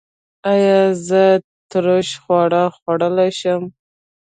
ایا زه ترش خواړه خوړلی شم؟